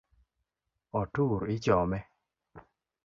Otur ichome